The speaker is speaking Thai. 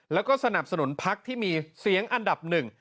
แล้วก็สนับสนุนพักที่มีเสียงอันดับหนึ่ง